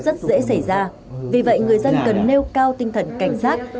rất dễ xảy ra vì vậy người dân cần nêu cao tinh thần cảnh giác